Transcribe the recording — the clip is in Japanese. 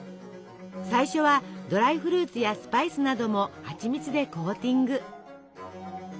最初はドライフルーツやスパイスなども蜂蜜でコーティング。